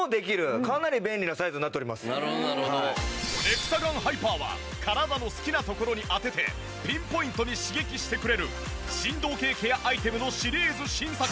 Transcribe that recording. エクサガンハイパーは体の好きなところに当ててピンポイントに刺激してくれる振動系ケアアイテムのシリーズ新作。